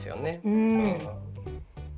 うん。